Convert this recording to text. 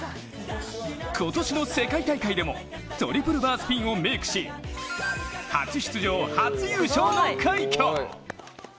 今年の世界大会でもトリプルバースピンをメークし、初出場初優勝の快挙！